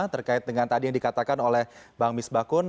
terkait dengan tadi yang dikatakan oleh bang misbahkun